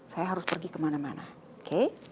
saya harus pergi kemana mana oke